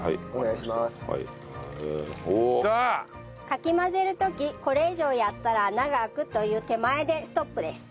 かき混ぜる時これ以上やったら穴が開くという手前でストップです。